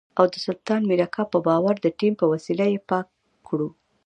او د سلطان مير اکا په باور د تيمم په وسيله يې پاکه کړو.